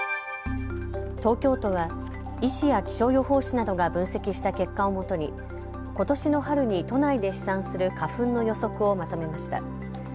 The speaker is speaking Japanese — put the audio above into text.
東京都は医師や気象予報士などが分析した結果をもとにことしの春に都内で飛散する花粉の予測をまとめました。